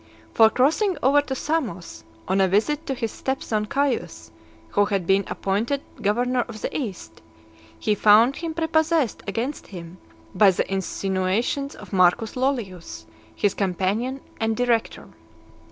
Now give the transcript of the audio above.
For crossing over to Samos, on a visit to his step son Caius, who had been appointed governor of the East, he found him prepossessed against him, by the insinuations of Marcus Lollius, his companion and director.